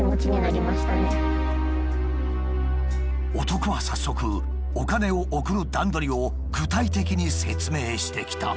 男は早速お金を送る段取りを具体的に説明してきた。